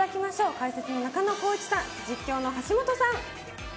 解説の中野浩一さん、実況の橋本さん！